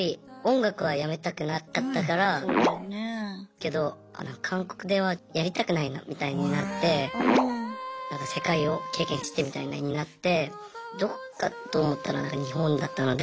けど韓国ではやりたくないなみたいになって世界を経験してみたいなになってどこかと思ったら日本だったので。